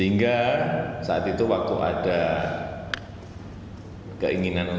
tidak untuk dikejar dengan muslim